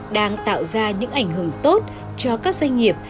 đang tạo ra những ảnh hưởng tốt cho các doanh nghiệp